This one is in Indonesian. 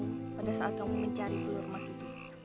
akan menyelamatkan kamu pada saat kamu mencari telur emas itu